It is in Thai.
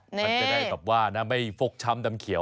มันจะได้แบบว่าไม่ฟกช้ำดำเขียว